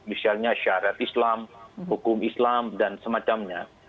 misalnya syarat islam hukum islam dan semacamnya